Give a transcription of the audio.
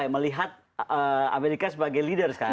melihat amerika sebagai leader sekarang